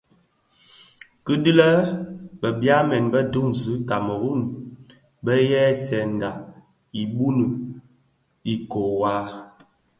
Kidhilè, bi byamèn bi duňzi i Kameru bë ghèsènga itoni ikōō waa.